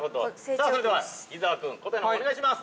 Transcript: さあ、それでは伊沢君答えのほうお願いします。